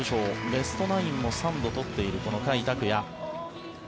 ベストナインも３度取っているこの甲斐拓也。